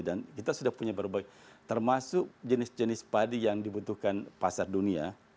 dan kita sudah punya berbagai termasuk jenis jenis padi yang dibutuhkan pasar dunia